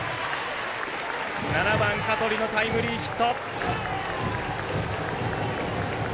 ７番、香取のタイムリーヒット。